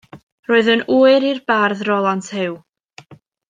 Roedd yn ŵyr i'r bardd Rolant Huw.